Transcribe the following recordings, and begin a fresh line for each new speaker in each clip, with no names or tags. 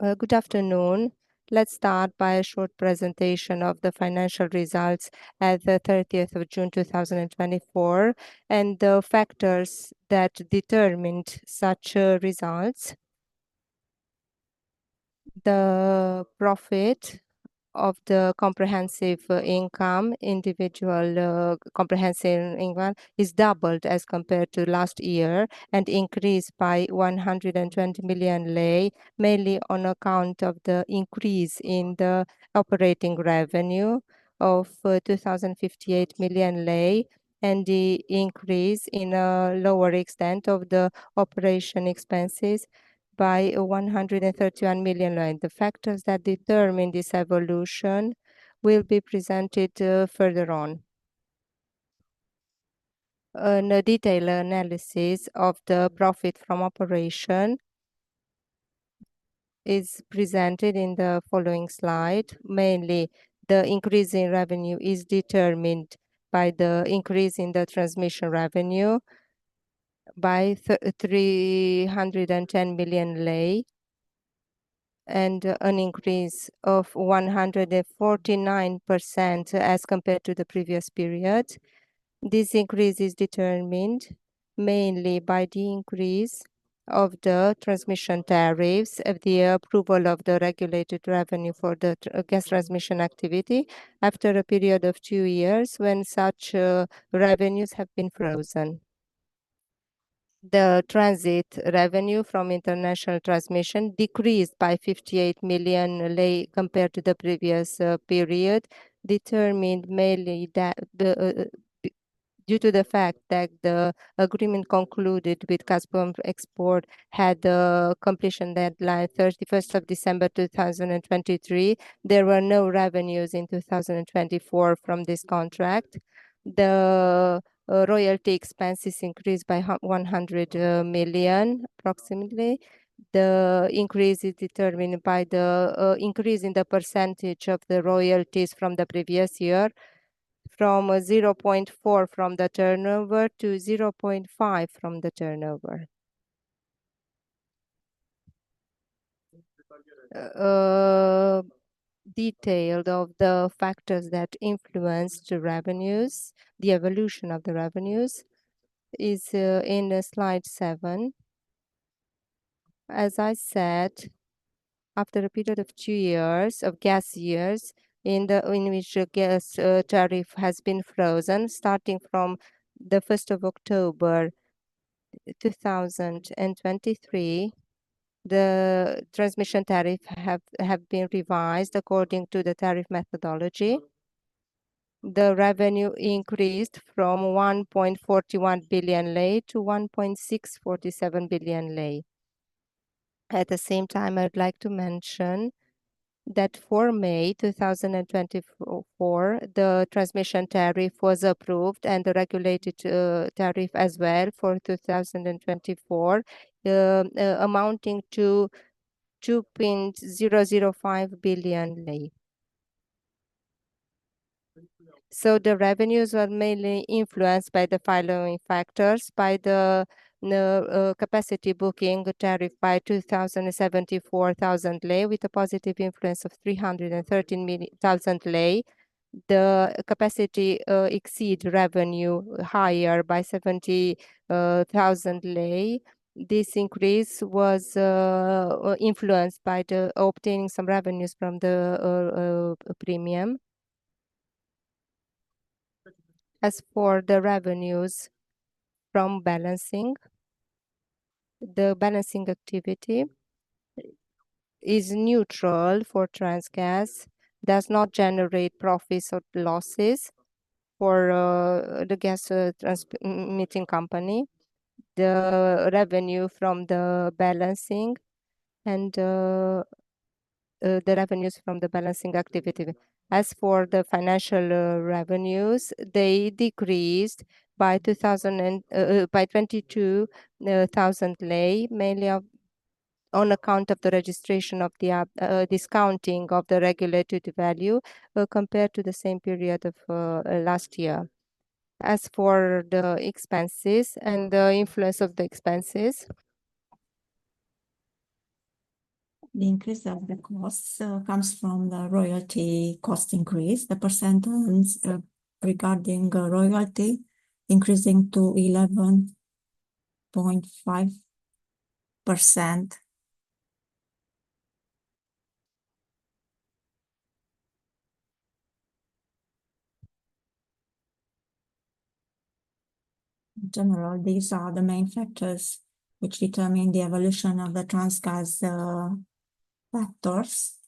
Good afternoon. Let's start by a short presentation of the financial results at the 30th of June, 2024, and the factors that determined such results. The profit of the comprehensive income, individual comprehensive income, is doubled as compared to last year and increased by 120 million RON, mainly on account of the increase in the operating revenue of 2,058 million RON, and the increase in a lower extent of the operation expenses by 131 million RON. The factors that determine this evolution will be presented further on. A detailed analysis of the profit from operation is presented in the following slide. Mainly, the increase in revenue is determined by the increase in the transmission revenue by 310 million RON, and an increase of 149% as compared to the previous period. This increase is determined mainly by the increase of the transmission tariffs of the approval of the regulated revenue for the gas transmission activity after a period of two years when such revenues have been frozen. The transit revenue from international transmission decreased by 58 million RON compared to the previous period, determined mainly that the due to the fact that the agreement concluded with Gazprom Export had a completion deadline, December 31, 2023, there were no revenues in 2024 from this contract. The royalty expenses increased by RON 100 million, approximately. The increase is determined by the increase in the percentage of the royalties from the previous year, from 0.4% from the turnover to 0.5% from the turnover. Details of the factors that influenced the revenues, the evolution of the revenues, is in slide seven. As I said, after a period of two gas years, in which the gas tariff has been frozen, starting from the first of October, 2023, the transmission tariff have been revised according to the tariff methodology. The revenue increased from RON 1.41 billion to RON 1.647 billion. At the same time, I would like to mention that for May 2024, the transmission tariff was approved and the regulated tariff as well for 2024, amounting to RON 2.005 billion. So the revenues were mainly influenced by the following factors: by the capacity booking tariff by RON 2,074, with a positive influence of RON 330 million. The capacity excess revenue higher by RON 70,000. This increase was influenced by the obtaining some revenues from the premium. As for the revenues from balancing, the balancing activity is neutral for Transgaz, does not generate profits or losses for the gas transmission company. The revenue from the balancing and the revenues from the balancing activity. As for the financial revenues, they decreased by RON 22,000, mainly of, on account of the registration of the discounting of the regulated value, compared to the same period of last year. As for the expenses and the influence of the expenses- The increase of the cost comes from the royalty cost increase. The percentage regarding royalty increasing to 11.5%. In general, these are the main factors which determine the evolution of the Transgaz factors.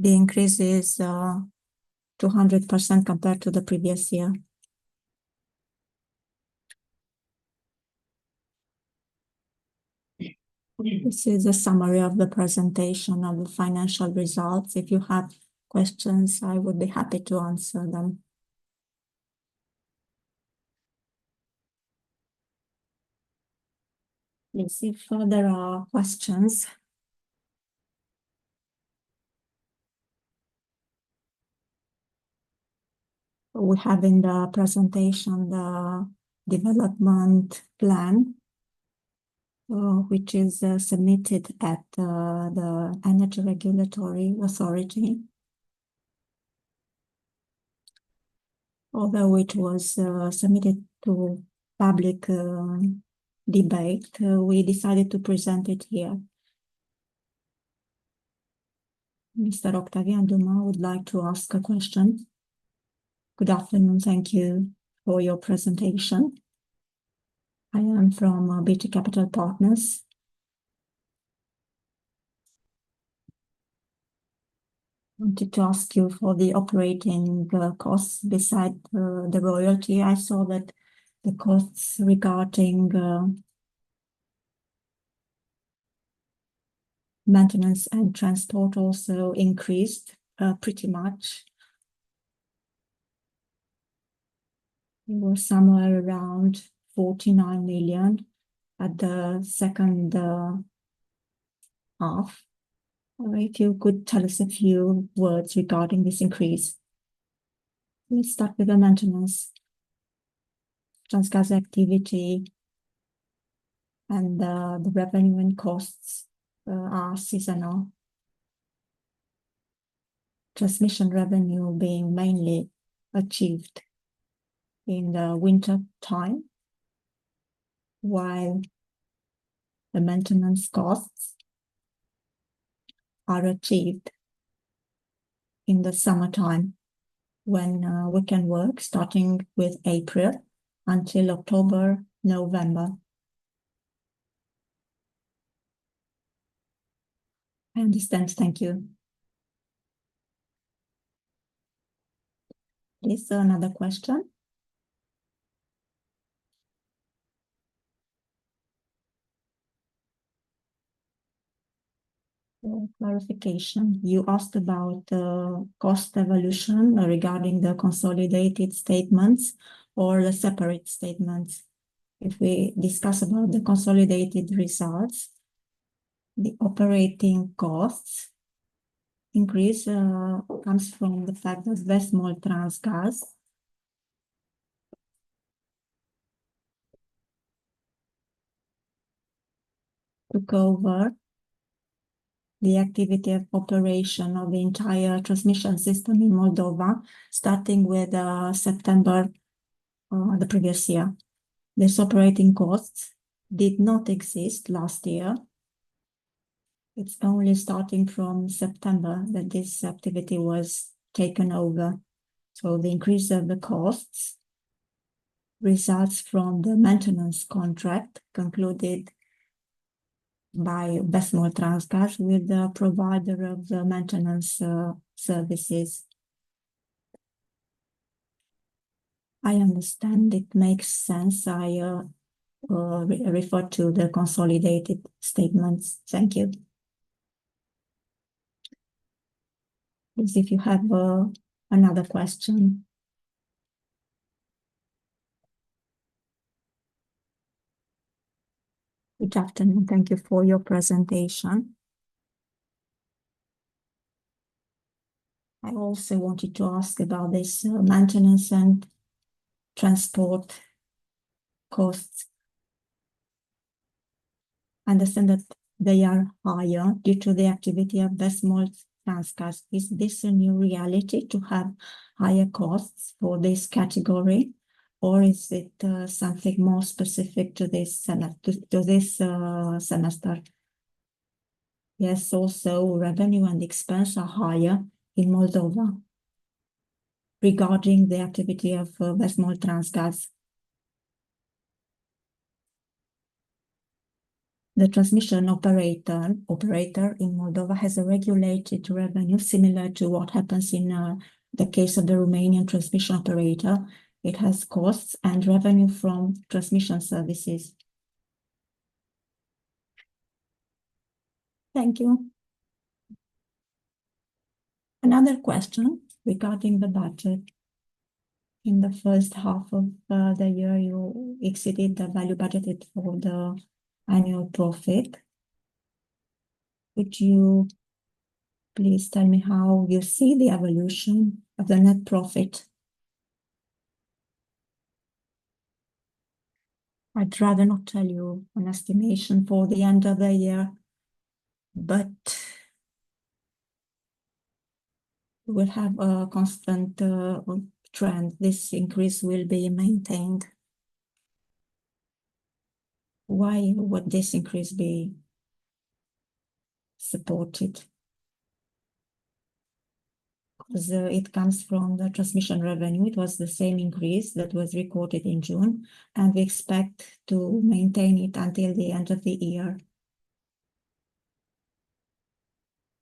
The increase is 200% compared to the previous year. This is a summary of the presentation of the financial results. If you have questions, I would be happy to answer them. Let's see if there are questions.... We have in the presentation the development plan which is submitted at the Energy Regulatory Authority. Although it was submitted to public debate, we decided to present it here. Mr. Octavian Duma would like to ask a question. Good afternoon. Thank you for your presentation. I am from BT Capital Partners. I wanted to ask you for the operating costs beside the royalty. I saw that the costs regarding maintenance and transport also increased pretty much. It was somewhere around RON 40 million at the second half. If you could tell us a few words regarding this increase. Let me start with the maintenance. Transgaz activity and the revenue and costs are seasonal. Transmission revenue being mainly achieved in the wintertime, while the maintenance costs are achieved in the summertime, when we can work, starting with April until October, November. I understand. Thank you. Is there another question? For clarification, you asked about the cost evolution regarding the consolidated statements or the separate statements. If we discuss about the consolidated results, the operating costs increase comes from the fact that Vestmoldtransgaz took over the activity of operation of the entire transmission system in Moldova, starting with September the previous year. These operating costs did not exist last year. It's only starting from September that this activity was taken over. So the increase of the costs results from the maintenance contract concluded by Vestmoldtransgaz with the provider of the maintenance services. I understand. It makes sense. I refer to the consolidated statements. Thank you. Please, if you have another question. Good afternoon. Thank you for your presentation. I also wanted to ask about this maintenance and transport costs. I understand that they are higher due to the activity of Vestmoldtransgaz.Is this a new reality to have higher costs for this category, or is it something more specific to this semester? Yes, also revenue and expense are higher in Moldova regarding the activity of Vestmoldtransgaz. The transmission operator in Moldova has a regulated revenue, similar to what happens in the case of the Romanian transmission operator. It has costs and revenue from transmission services. Thank you. Another question regarding the budget. In the first half of the year, you exceeded the value budgeted for the annual profit. Would you please tell me how you see the evolution of the net profit? I'd rather not tell you an estimation for the end of the year, but we'll have a constant trend. This increase will be maintained. Why would this increase be supported? 'Cause it comes from the transmission revenue. It was the same increase that was recorded in June, and we expect to maintain it until the end of the year.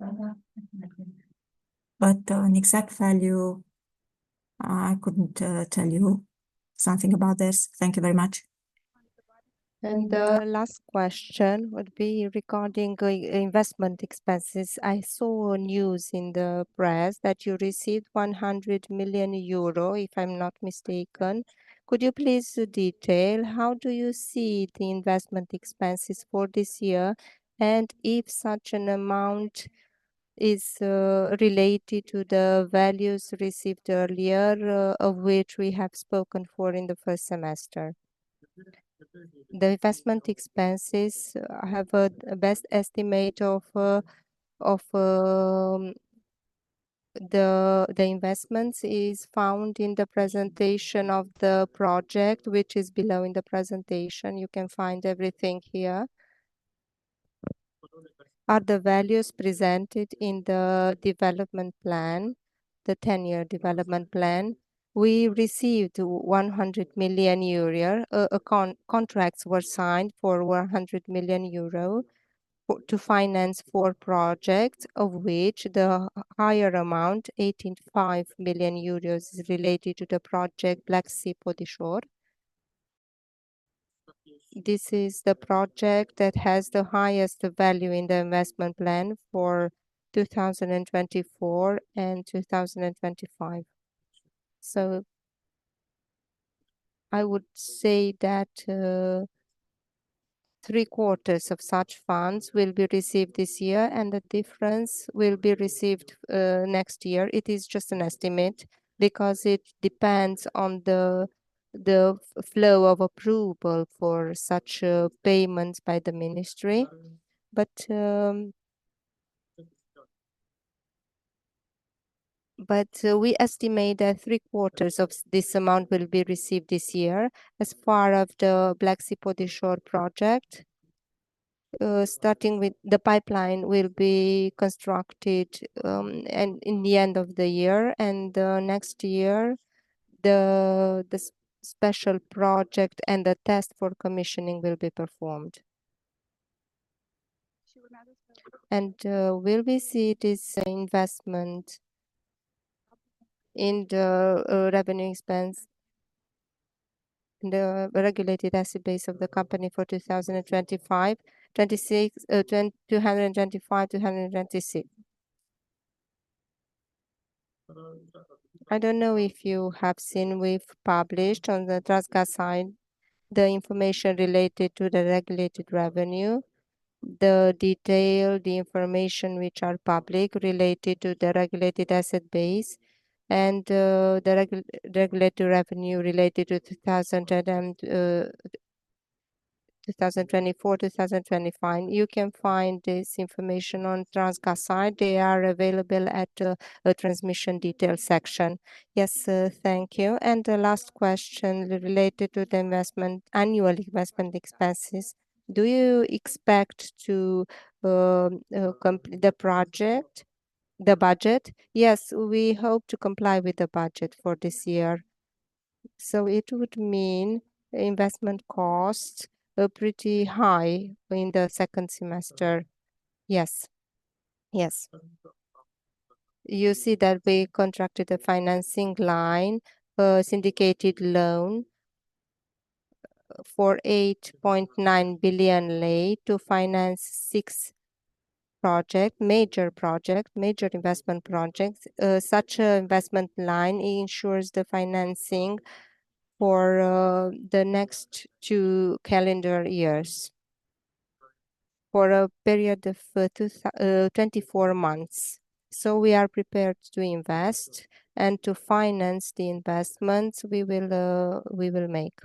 Okay. But, an exact value, I couldn't, tell you something about this. Thank you very much. The last question would be regarding investment expenses. I saw news in the press that you received 100 million euro, if I'm not mistaken. Could you please detail how do you see the investment expenses for this year, and if such an amount is related to the values received earlier, of which we have spoken for in the first semester? The investment expenses have a best estimate of, the investments is found in the presentation of the project, which is below in the presentation. You can find everything here. Are the values presented in the development plan, the 10-year development plan? We received 100 million euro. Contracts were signed for 100 million euro for, to finance four projects, of which the higher amount, 85 million euros, is related to the project Black Sea-Podișor. This is the project that has the highest value in the investment plan for 2024 and 2025. So I would say that three quarters of such funds will be received this year, and the difference will be received next year. It is just an estimate, because it depends on the flow of approval for such payments by the ministry, but we estimate that 3/4 of this amount will be received this year as part of the Black Sea-Podișor project. Starting with the pipeline will be constructed in the end of the year, and next year, the special project and the test for commissioning will be performed. Will we see this investment in the revenue expense, the regulated asset base of the company for 2025, 2026? I don't know if you have seen. We've published on the Transgaz site the information related to the regulated revenue, the detail, the information which are public, related to the regulated asset base, and the regulatory revenue related to 2024, 2025. You can find this information on Transgaz site. They are available at the transmission detail section. Yes, thank you. And the last question related to the investment, annual investment expenses: Do you expect to complete the project, the budget? Yes, we hope to comply with the budget for this year. So it would mean investment costs are pretty high in the second semester? Yes. Yes. You see that we contracted a financing line, a syndicated loan, for RON 8.9 billion to finance six major investment projects. Such a investment line ensures the financing for the next two calendar years, for a period of twenty-four months. So we are prepared to invest and to finance the investments we will make.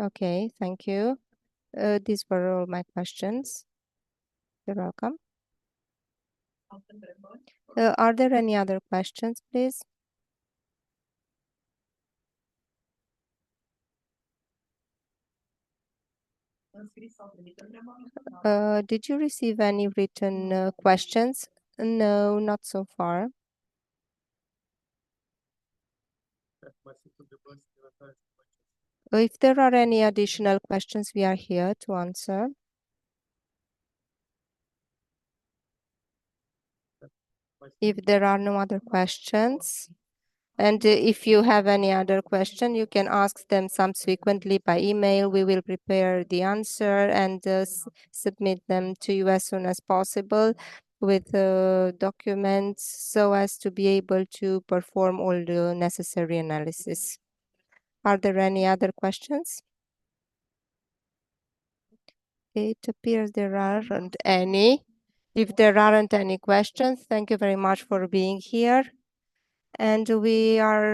Okay, thank you. These were all my questions. You're welcome. Are there any other questions, please? Did you receive any written questions? No, not so far. If there are any additional questions, we are here to answer. If there are no other questions... And if you have any other question, you can ask them subsequently by email. We will prepare the answer and submit them to you as soon as possible, with documents, so as to be able to perform all the necessary analysis. Are there any other questions? It appears there aren't any. If there aren't any questions, thank you very much for being here, and we are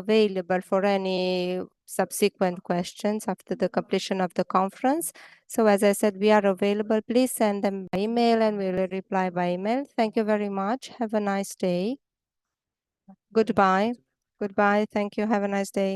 available for any subsequent questions after the completion of the conference. So as I said, we are available. Please send them by email, and we will reply by email. Thank you very much. Have a nice day. Goodbye. Goodbye. Thank you. Have a nice day!